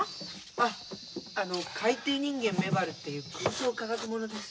あっあの「海底人間メバル」っていう空想科学ものです。